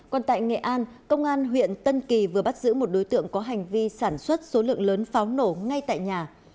còn tại nghệ an công an huyện tân kỳ vừa bắt giữ một đối tượng có hành vi sản xuất số lượng lớn pháo nổ ngay tại nhà